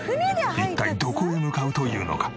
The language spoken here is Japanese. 一体どこへ向かうというのか？